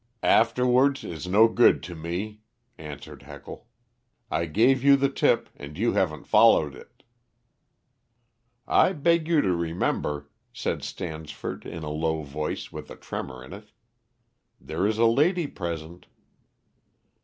"Afterwards is no good to me," answered Heckle. "I gave you the tip, and you haven't followed it." "I beg you to remember," said Stansford, in a low voice with a tremor in it, "there is a lady present."